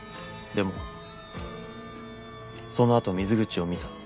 でもそのあと水口を見た。